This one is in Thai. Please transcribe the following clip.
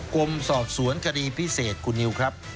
กรมสอบสวนคดีพิเศษคุณนิวครับ